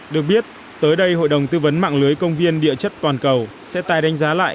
được biết tới đây hội đồng tư vấn mạng lưới công viên địa chất toàn cầu sẽ tài đánh giá lại